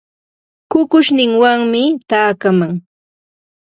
Rumiqa wayita ruranapaqmi.